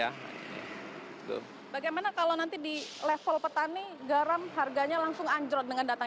bagaimana kalau nanti di level petani garam harganya langsung anjlok dengan datanya garam impor